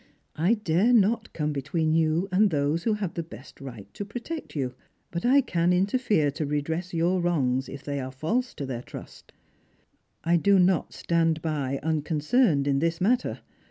I dare not come between you and those who have the best right to protect you. But I can interfere to redress your wrongs if they are false to their trust. I do not stand by unconcerned in this matter.